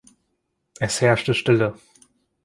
Es herrschte Stille.